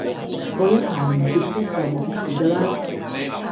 過一排唔接觸就冇事嘅喇